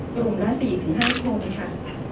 กลุ่มละ๔ถึง๕กรมค่ะ